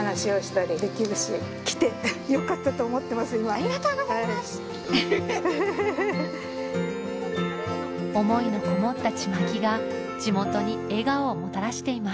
・ありがとうございます・思いのこもったちまきが地元に笑顔をもたらしています